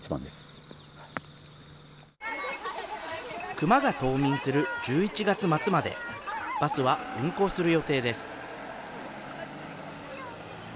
クマが冬眠する１１月末まで、バスは運行する予定です。